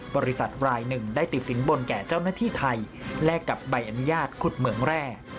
บริษัทรายหนึ่งได้ติดสินบนแก่เจ้าหน้าที่ไทยแลกกับใบอนุญาตขุดเหมืองแร่